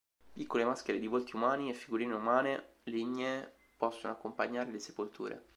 Piccole maschere di volti umani e figurine umane lignee possono accompagnare le sepolture.